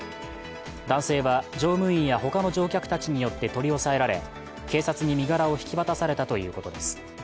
男性は乗務員や他の乗客たちによって取り押さえられ、警察に身柄を引き渡されたということです。